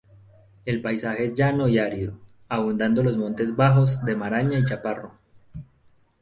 El paisaje es llano y árido abundando los montes bajos de maraña y chaparro.